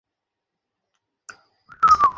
সত্যমুর্তি, তুমি অনেক সাপ্রতিক খবর ছেপেছো।